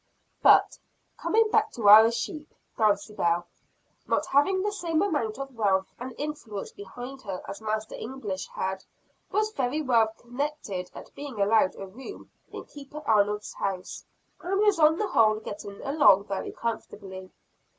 But coming back to our sheep Dulcibel not having the same amount of wealth and influence behind her as Master English had, was very well contented at being allowed a room in Keeper Arnold's house; and was on the whole getting along very comfortably.